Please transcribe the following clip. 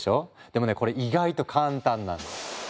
でもねこれ意外と簡単なの。